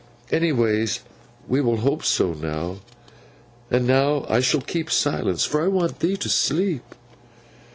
Anyways we will hope so now. And now I shall keep silence, for I want thee to sleep.